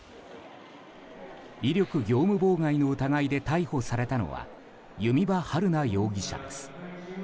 威力業務妨害の疑いで逮捕されたのは弓場晴菜容疑者です。